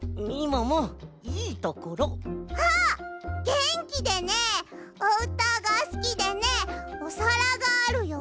げんきでねおうたがすきでねおさらがあるよ。